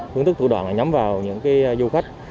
hướng thức thủ đoạn là nhắm vào những cái du khách